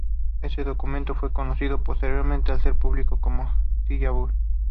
Este documento fue conocido posteriormente al ser publicado como "Syllabus".